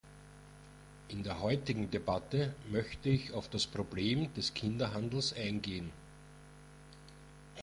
In der heutigen Debatte möchte ich auf das Problem des Kinderhandels eingehen.